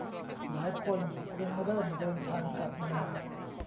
หลายคนคงเริ่มเดินทางกลับมา